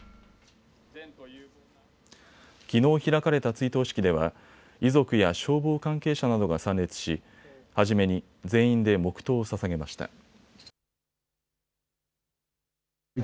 きのう開かれた追悼式では遺族や消防関係者などが参列し初めに全員で黙とうをささげました。